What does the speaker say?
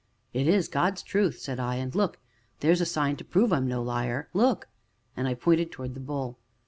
"It is God's truth!" said I, "and look! there is a sign to prove I am no liar look!" and I pointed towards "The Bull."